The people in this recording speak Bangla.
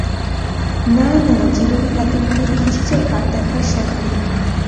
না, না, জীবনে এত মমি দেখেছি যে আর দেখার শখ নেই!